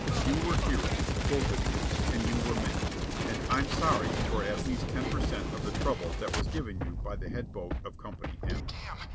You were heroes, both of you, and you were men. And I'm sorry for at least ten per cent of the trouble that was given you by the head boat of Company M.